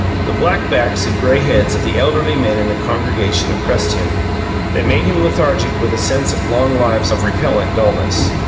The black backs and gray heads of the elderly men in the congregation oppressed him; they made him lethargic with a sense of long lives of repellent dullness.